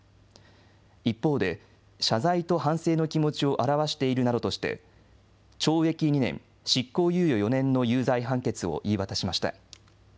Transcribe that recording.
一方で、謝罪と反省の気持ちを表しているなどとして、懲役２年、執行猶予４年の有罪判決を言い渡しました。